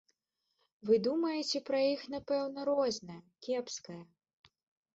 Вы думаеце, пра іх, напэўна, рознае, кепскае.